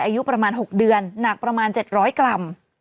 อายุประมาณ๖เดือนหนักประมาณ๗๐๐กรัม